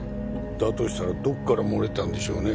だとしたらどっから漏れたんでしょうね